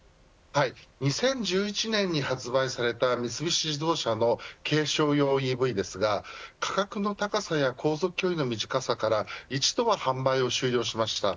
２０１１年に販売された三菱自動車の軽商用ＥＶですが価格の高さや航続距離の短さから一度は販売を終了しました。